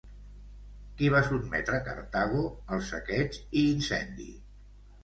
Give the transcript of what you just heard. Qui va sotmetre Cartago al saqueig i incendi?